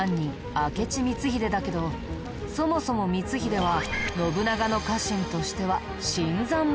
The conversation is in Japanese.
明智光秀だけどそもそも光秀は信長の家臣としては新参者だったんだ。